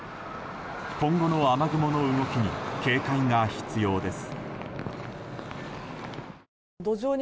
今後の雨雲の動きに警戒が必要です。